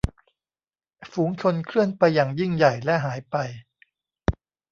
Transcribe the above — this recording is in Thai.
ฝูงชนเคลื่อนไปอย่างยิ่งใหญ่และหายไป